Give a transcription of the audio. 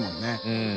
うん。